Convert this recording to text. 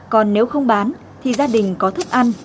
còn nếu không bán thì gia đình có thức ăn